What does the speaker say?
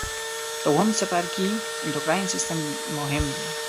د اووم څپرکي اندورکاین سیستم مهم دی.